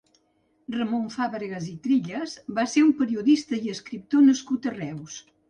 Ramon Fàbregas i Trilles va ser un periodista i escriptor nascut a Reus.